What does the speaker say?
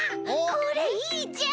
これいいじゃん！